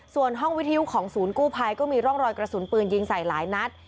ส่วนห้องวิทยุของศูนย์กู้ภัยก็มีร่องรอยกระสุนปืนยิงใส่หลายนัด